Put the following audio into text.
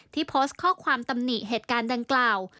โพสต์ข้อความตำหนิเหตุการณ์ดังกล่าว